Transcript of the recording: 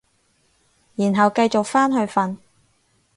然後繼續返去瞓